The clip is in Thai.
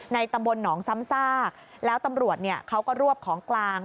ตำบลหนองซ้ำซากแล้วตำรวจเขาก็รวบของกลาง